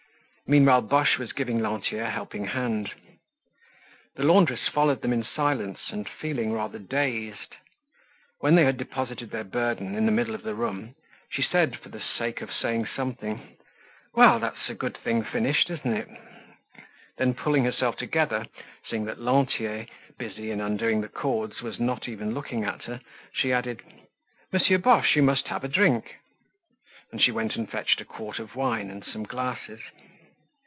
Meanwhile Boche was giving Lantier a helping hand. The laundress followed them in silence and feeling rather dazed. When they had deposited their burden in the middle of the room she said for the sake of saying something: "Well! That's a good thing finished, isn't it?" Then pulling herself together, seeing that Lantier, busy in undoing the cords was not even looking at her, she added: "Monsieur Boche, you must have a drink." And she went and fetched a quart of wine and some glasses.